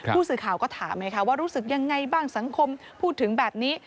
ผู้สื่อข่าวก็ถามไงคะว่ารู้สึกยังไงบ้างสังคมพูดถึงแบบนี้